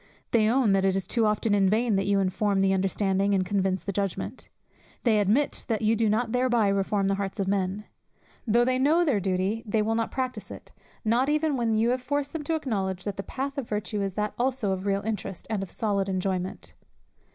They own that it is too often in vain that you inform the understanding, and convince the judgment. They admit that you do not thereby reform the hearts of men. Though they know their duty, they will not practice it; no not even when you have forced them to acknowledge that the path of virtue is that also of real interest, and of solid enjoyment.